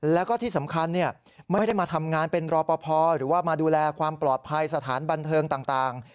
แล้วก็ที่สำคัญไม่ได้มาทำงานเป็นรอปภหรือว่ามาดูแลความปลอดภัยสถานบันเทิงต่าง